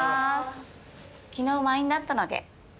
昨日満員だったので。